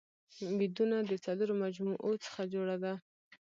ويدونه د څلورو مجموعو څخه جوړه ده